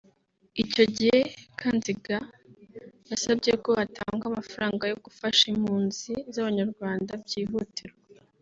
Icyo gihe Kanziga yasabye ko hatangwa amafaranga yo gufasha impunzi z’abanyarwanda byihutirwa